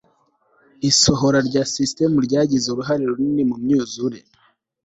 isohora rya sisitemu ryagize uruhare runini mu myuzure